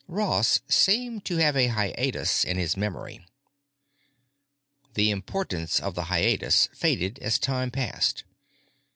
Ross seemed to have a hiatus in his memory. The importance of the hiatus faded as time passed.